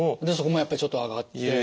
でそこもやっぱりちょっと上がって。